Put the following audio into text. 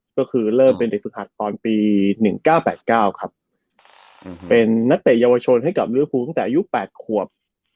ก็คือเริ่มเป็นเด็กฝึกหัดตอนปี๑๙๘๙ครับเป็นนักเตะเยาวชนให้กับลิวภูตั้งแต่อายุ๘ขวบ